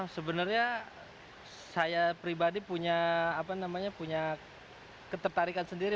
sebenarnya saya pribadi punya ketertarikan sendiri